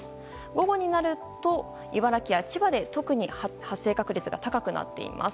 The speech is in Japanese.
午後になると茨城や千葉で特に発生確率が高くなっています。